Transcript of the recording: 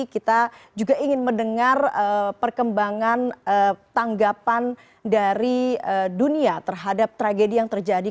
kita juga ingin mendengar perkembangan tanggapan dari dunia terhadap tragedi yang terjadi